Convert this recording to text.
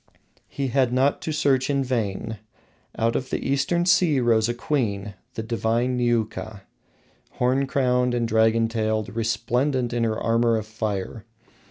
He had not to search in vain. Out of the Eastern sea rose a queen, the divine Niuka, horn crowned and dragon tailed, resplendent in her armor of fire.